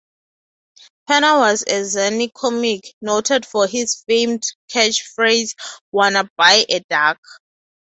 Penner was a zany comic, noted for his famed catchphrase, Wanna buy a duck?